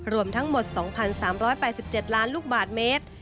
รวมทั้งหมด๒๓๘๗ล้านลูกบาทเมตร